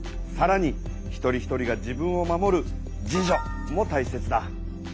さらに一人一人が自分を守る自助もたいせつだ。